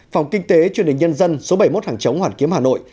phòng kinh tế truyền hình nhân dân số bảy mươi một hàng chống hoàn kiếm hà nội